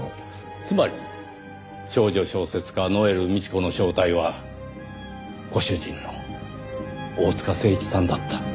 つまり少女小説家ノエル美智子の正体はご主人の大塚誠一さんだった。